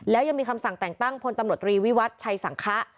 แล้วยังมีคำสั่งแต่งตั้งพลตำรวจรีวิวัติชัยสังคะ